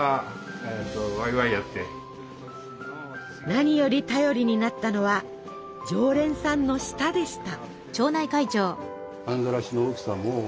何より頼りになったのは常連さんの舌でした。